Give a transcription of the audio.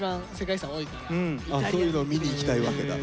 そういうの見に行きたいわけだ。